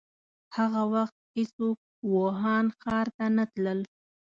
هغه وخت هيڅوک ووهان ښار ته نه تلل.